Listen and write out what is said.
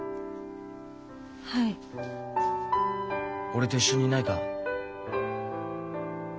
俺と一緒にいないか。